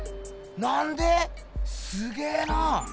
なんで⁉すげえな！